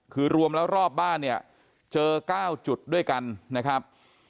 คือรวมแล้วรอบบ้านเนี่ยเจอ๙จุดด้วยกันนะครับ